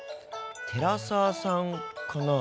寺澤さんかな？